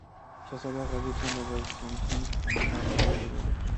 شهزاده غازي ټیم د بازنطین خانقا هم موندلې ده.